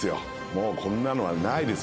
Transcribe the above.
もうこんなのはないです